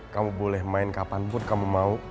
kamu boleh main kapanpun kamu mau